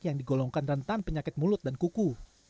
yang digolongkan rentan penyakit mulut dan kuku